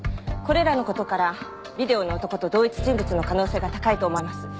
これらの事からビデオの男と同一人物の可能性が高いと思われます。